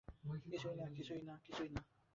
কিছুই না, কিছুই না, কিছুই না।